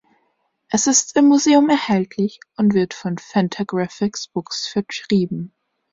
Es ist im Museum erhältlich und wird von Fantagraphics Books vertrieben.